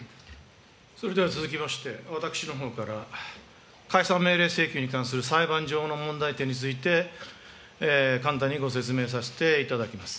それでは続きまして、私のほうから、解散命令請求に関する裁判上の問題点について、簡単にご説明させていただきます。